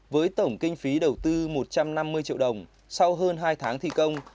với tổng kinh phí đầu tư một trăm năm mươi triệu đồng sau hơn hai tháng thi công